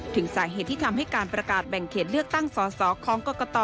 ถึงสาเหตุที่ทำให้การประกาศแบ่งเขตเลือกตั้งสอสอของกรกต